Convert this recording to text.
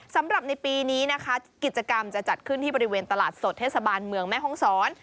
สำหรับในปีนี้นะคะกิจกรรมจะจัดขึ้นที่บริเวณตลาดสดเทศบาลเมืองแม่ห้องศร